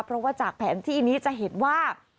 เพราะว่าจากแผนที่นี้จะเห็นว่า